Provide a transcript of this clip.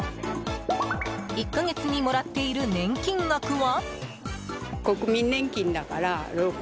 １か月にもらっている年金額は？